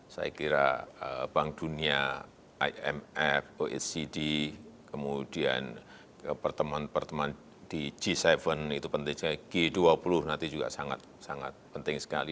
saya kira bank dunia imf oecd kemudian pertemuan pertemuan di g tujuh itu penting sekali g dua puluh nanti juga sangat sangat penting sekali